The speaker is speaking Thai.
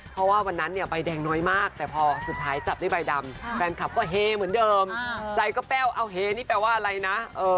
เพราะว่าวันนั้นเนี่ยใบแดงน้อยมากแต่พอสุดท้ายจับได้ใบดำแฟนคลับก็เฮเหมือนเดิมใจก็แป้วเอาเฮนี่แปลว่าอะไรนะ